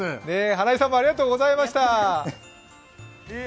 花井さんもありがとうございました。